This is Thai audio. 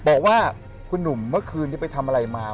บอกว่าคุณหนุ่มเมื่อคืนนี้ไปทำอะไรมา